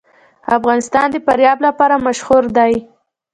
افغانستان د فاریاب لپاره مشهور دی.